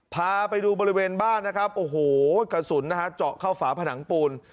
พาไปดูบริเวณบ้านนะครับขระสุนจกเข้าฝาผนังอ่านปูน